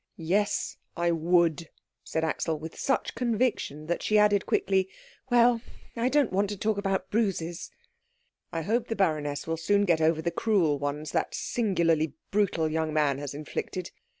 "Yes, I would," said Axel, with such conviction that she added quickly, "Well I don't want to talk about bruises." "I hope the baroness will soon get over the cruel ones that singularly brutal young man has inflicted.